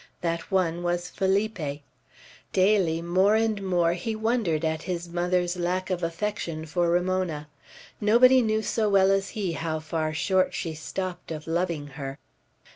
That one was Felipe. Daily more and more he wondered at his mother's lack of affection for Ramona. Nobody knew so well as he how far short she stopped of loving her.